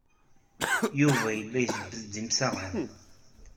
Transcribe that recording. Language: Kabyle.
Yuba yella ijebbed-d imsaɣen.